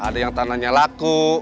ada yang tanahnya laku